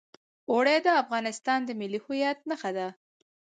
اوړي د افغانستان د ملي هویت نښه ده.